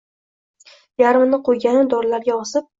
Yarmini qo’yganu dorlarga osib